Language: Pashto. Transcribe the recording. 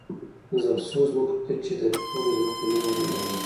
د ضبط شویو ځمکو کچې د ټولو ځمکو نییمه جوړوله